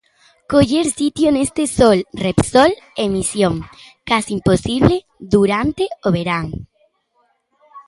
Coller sitio neste Sol Repsol é misión case imposible durante o verán.